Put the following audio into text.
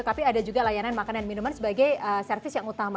tapi ada juga layanan makanan minuman sebagai servis yang utama